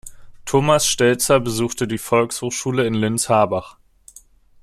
Thomas Stelzer besuchte die Volksschule in Linz-Harbach.